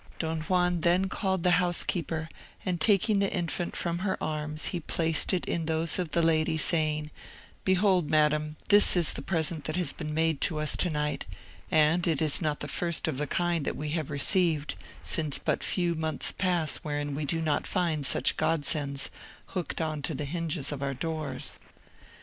Don Juan then called the housekeeper, and taking the infant from her arms he placed it in those of the lady, saying, "Behold, madam, this is the present that has been made to us to night, and it is not the first of the kind that we have received, since but few months pass wherein we do not find such God sends hooked on to the hinges of our doors."